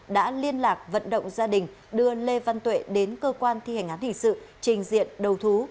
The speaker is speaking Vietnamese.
đã liên lạc vận động gia đình đưa lê văn tuệ đến cơ quan thi hành án hình sự trình diện đầu thú